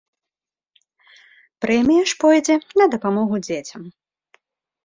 Прэмія ж пойдзе на дапамогу дзецям.